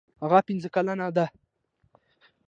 هغه پنځه کلنه ده.